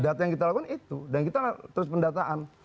data yang kita lakukan itu dan kita terus pendataan